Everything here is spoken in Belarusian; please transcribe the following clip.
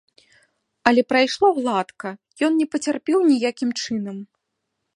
Але прайшло гладка, ён не пацярпеў ніякім чынам.